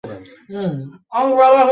ঈস বললেনঃ আল্লাহর কসম, আমি আসিনি।